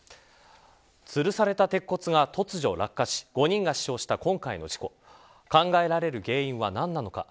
つるされた鉄骨が突如落下し５人が死傷した今回の事故考えられる原因は何なのか。